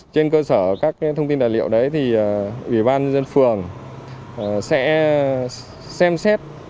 trên cơ sở các thông tin tài liệu đấy thì ủy ban dân phường sẽ xem xét